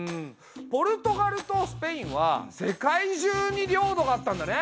ポルトガルとスペインは世界中に領土があったんだね。